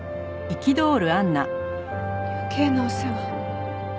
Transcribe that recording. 余計なお世話。